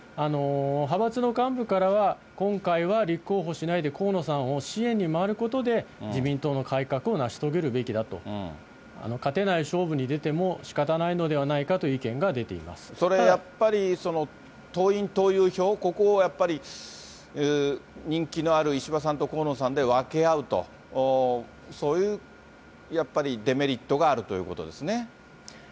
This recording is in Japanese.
派閥の幹部からは、今回は立候補しないで河野さんを支援に回ることで、自民党の改革を成し遂げるべきだと、勝てない勝負に出てもしかたないのではないかという意見が出ていそれはやっぱり、党員・党友票、ここをやっぱり人気のある石破さんと河野さんで分け合うと、そういうやっぱりデメリットがあるということですね。